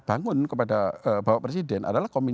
bangun kepada bapak presiden adalah komitmen